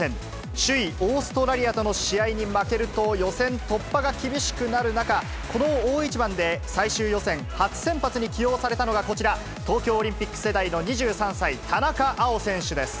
首位オーストラリアとの試合に負けると、予選突破が厳しくなる中、この大一番で、最終予選初先発に起用されたのが、こちら、東京オリンピック世代の２３歳、田中碧選手です。